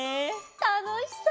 たのしそう！